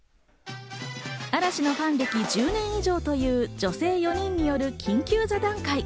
嵐のファン歴１０年以上という女性４人による緊急座談会。